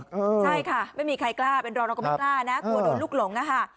ใช่ค่ะไม่มีใครกล้าอะเป็นรอนอกก็ไม่กล้านะปวดดูดลูกหลงอะฮะ